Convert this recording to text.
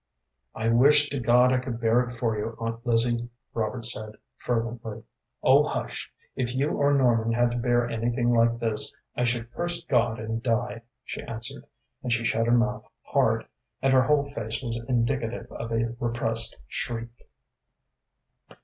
"I wish to God I could bear it for you, Aunt Lizzie," Robert said, fervently. "Oh, hush! If you or Norman had to bear anything like this, I should curse God and die," she answered, and she shut her mouth hard, and her whole face was indicative of a repressed shriek.